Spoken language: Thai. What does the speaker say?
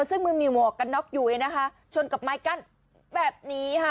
ซึ่งมันมีหมวกกันน็อกอยู่เลยนะคะชนกับไม้กั้นแบบนี้ค่ะ